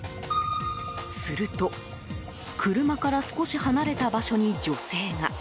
すると車から少し離れた場所に女性が。